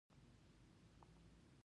که علم یاد کړی وی پوه شوي وو چې علم وايي.